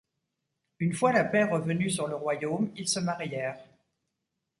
Une fois la paix revenue sur le Royaume, ils se marièrent.